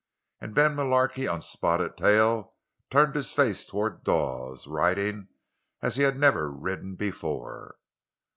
And Ben Mullarky, on Spotted Tail, turned his face toward Dawes, riding as he had never ridden before.